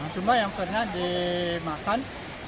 cuma yang pernah dimakan